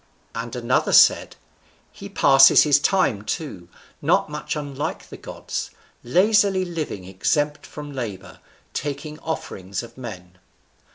And another said, "He passes his time, too, not much unlike the gods, lazily living exempt from labour, taking offerings of men."